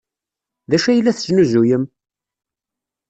D acu ay la tesnuzuyem?